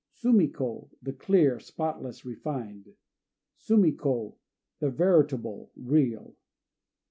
Sumi ko "The Clear," spotless, refined. Sumi ko "The Veritable," real.